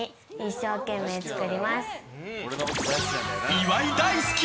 岩井大好き！